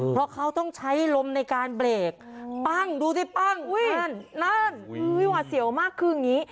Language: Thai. เพราะเขาต้องใช้ลมในการเบรกปั้งดูสิปั้งนั่นหวาเสียวมากขึ้นอย่างนี้